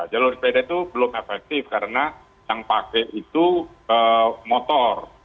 jalur sepeda itu belum efektif karena yang pakai itu motor